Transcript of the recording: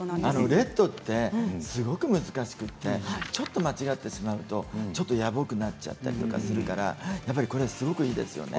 ネットってすごく難しくてちょっと間違ってしまうとちょっとやぼくなっちゃったりするからこれすごくいいですよね。